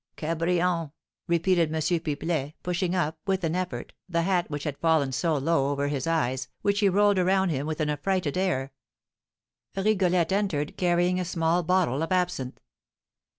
"Cabrion!" repeated M. Pipelet, pushing up, with an effort, the hat which had fallen so low over his eyes, which he rolled around him with an affrighted air. Rigolette entered, carrying a small bottle of absinthe.